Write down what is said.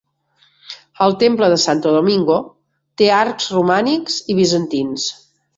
El temple de Santo Domingo té arcs romànics i bizantins.